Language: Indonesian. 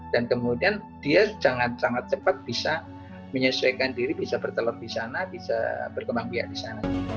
dan kemudian dia sangat sangat cepat bisa menyesuaikan diri bisa bertelur di sana bisa berkembang biaya di sana